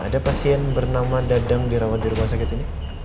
ada pasien bernama dadang dirawat di rumah sakit ini